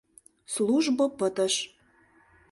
«Службо пытыш.